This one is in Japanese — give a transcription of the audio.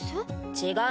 違う。